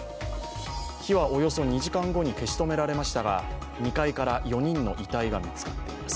火はおよそ２時間後に消し止められましたが２階から４人の遺体が見つかっています。